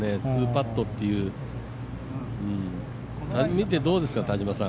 ２パットという、田島さん、見て、どうですか。